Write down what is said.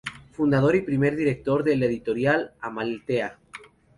Fundador y primer director de la editorial "Amaltea".